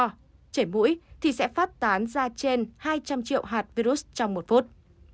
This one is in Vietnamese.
khi người bệnh mũi thì sẽ phát tán ra trên hai trăm linh triệu hạt virus trong một phút